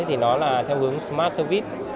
thì nó là theo hướng smart service